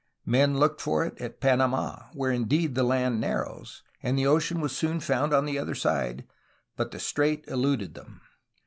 Men looked for it at Pan amd, where indeed the land narrows, and the ocean was soon found on the other side, but the strait eluded them.